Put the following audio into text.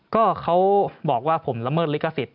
ก็เขาบอกว่าผมละเมิดลิขสิทธ